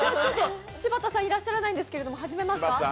柴田さん、いらっしゃらないんですけど、始めますか。